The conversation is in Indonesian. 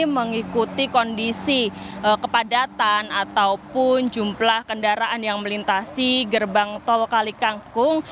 mengikuti kondisi kepadatan ataupun jumlah kendaraan yang melintasi gerbang tol kali kangkung